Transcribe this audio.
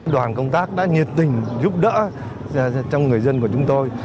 đoàn công tác đã nhiệt tình giúp đỡ trong người dân của chúng tôi